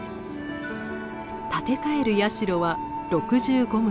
建て替える社は６５棟。